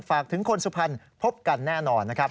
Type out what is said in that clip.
ฝากถึงคนสุพรรณพบกันแน่นอน